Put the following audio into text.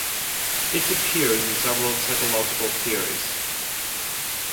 It appears in several psychological theories.